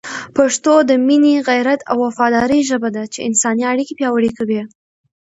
پښتو د مینې، غیرت او وفادارۍ ژبه ده چي انساني اړیکي پیاوړې کوي.